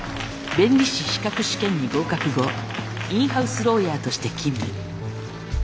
弁理士資格試験に合格後インハウスローヤーとして勤務。